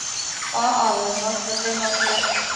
紫红鞘薹草为莎草科薹草属的植物。